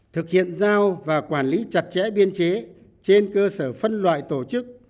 thực hiện giao và quản lý chặt chẽ biên chế trên cơ sở phân loại tổ chức